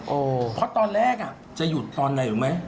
เพราะตอนแรกจะหยุดตอนไหนรู้ไหม